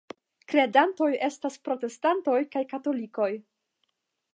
Kredantoj estas protestantoj kaj katolikoj.